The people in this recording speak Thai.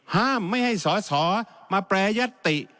ห้ามไม่ให้สอสอมาแปรยัตติ